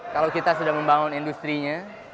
kalau kita sudah membangun industri nya